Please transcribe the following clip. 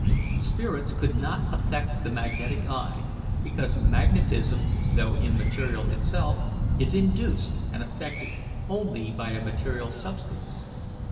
Spirits could not affect the magnetic eye, because magnetism, though immaterial itself, is induced and affected only by a material substance.